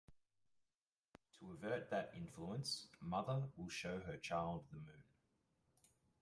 To avert that influence, a mother will show her child the moon.